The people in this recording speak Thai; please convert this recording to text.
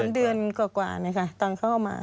๓เดือนกว่านี่ค่ะตอนเข้ามา